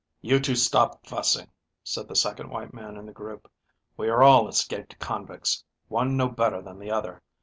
"You two stop fussing," said the second white man in the group. "We are all escaped convicts, one no better than the other.